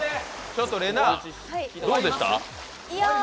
ちょっとれなぁ、どうでした？